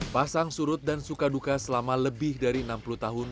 pasang surut dan suka duka selama lebih dari enam puluh tahun